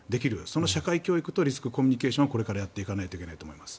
その社会教育とリスクコミュニケーションはこれからやっていかないといけないと思います。